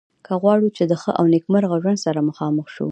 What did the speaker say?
که غواړو چې د ښه او نیکمرغه ژوند سره مخامخ شو.